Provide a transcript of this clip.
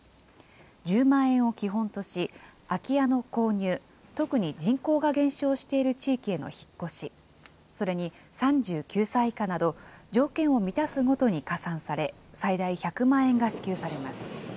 １０万円を基本とし、空き家の購入、特に人口が減少している地域への引っ越し、それに３９歳以下など、条件を満たすごとに加算され、最大１００万円が支給されます。